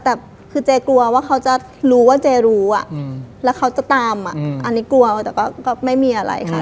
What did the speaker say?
แต่คือเจกลัวว่าเขาจะรู้ว่าเจรู้แล้วเขาจะตามอันนี้กลัวแต่ก็ไม่มีอะไรค่ะ